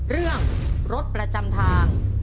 เรื่องรถประจำทาง